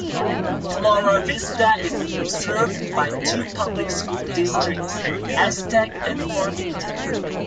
Flora Vista is served by two public school districts - Aztec and Farmington.